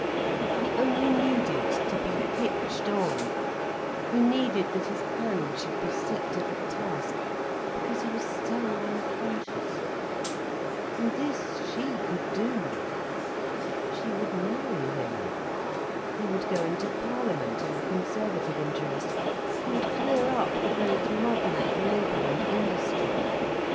He only needed to be hitched on, he needed that his hand should be set to the task, because he was so unconscious. And this she could do. She would marry him, he would go into Parliament in the Conservative interest, he would clear up the great muddle of labour and industry.